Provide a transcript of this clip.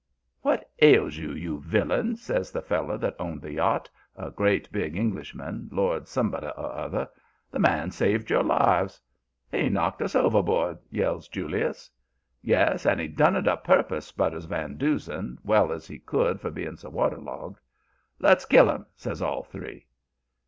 "'What ails you, you villain?' says the feller that owned the yacht, a great big Englishman, Lord Somebody or other. 'The man saved your lives.' "'He knocked us overboard!' yells Julius. "'Yes, and he done it a purpose!' sputters Van Doozen, well as he could for being so waterlogged. "'Let's kill him!' says all three.